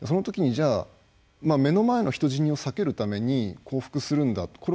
そのときにじゃあ目の前の人の失命を避けるために降伏するんだと。